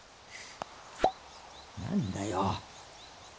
何だよ。